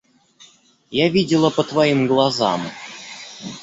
Я видела по твоим глазам.